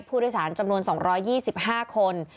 ผู้โดยสารจำนวน๒๒๕คน